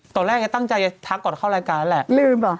ตอนแรกแกตั้งใจจะทักก่อนเข้ารายการแล้วแหละลืมเหรอ